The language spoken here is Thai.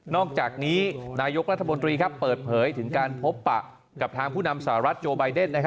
อกจากนี้นายกรัฐมนตรีเปิดเผยถึงการพบปะกับทางผู้นำสหรัฐโจไบเดน